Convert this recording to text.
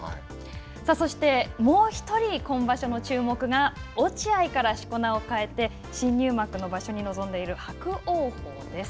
そして、もう１人、今場所の注目が落合からしこ名を変えて新入幕の場所に臨んでいる伯桜鵬です。